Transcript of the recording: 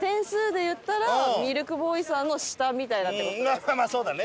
まあまあそうだね。